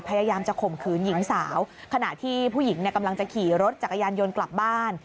พยายามจะข่มขืนหญิงสาวขณะที่ผู้หญิงเนี่ยกำลังจะขี่รถจักรยานยนต์กลับบ้าน